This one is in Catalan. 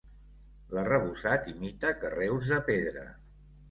L'arrebossat imita carreus de pedra.